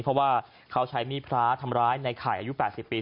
เพราะว่าเขาใช้มีดพระทำร้ายในไข่อายุ๘๐ปี